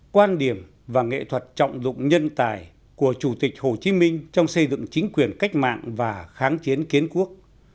quan điểm và nghệ thuật trọng dụng nhân tài của chủ tịch hồ chí minh trong xây dựng chính quyền cách mạng và kháng chiến kiến quốc